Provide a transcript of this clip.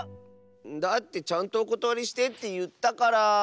だってちゃんとおことわりしてっていったから。